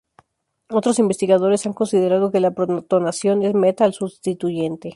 Otros investigadores han considerado que la protonación es "meta" al sustituyente.